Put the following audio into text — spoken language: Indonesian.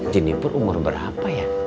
jeniper umur berapa ya